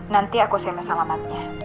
nanti aku senda selamatnya